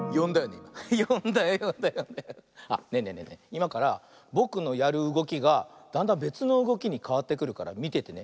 いまからぼくのやるうごきがだんだんべつのうごきにかわってくるからみててね。